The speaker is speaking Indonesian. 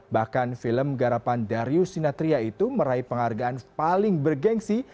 bahkan film garapan darius sinatria itu meraih penghargaan paling bergensi